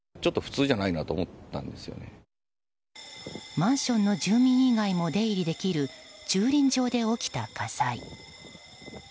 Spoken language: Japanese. マンションの住民以外も出入りできる駐輪場で起きた火災。